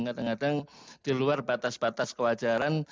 kadang kadang di luar batas batas kewajaran